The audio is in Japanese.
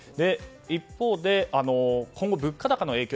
一方で今後、物価高の影響。